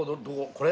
これ？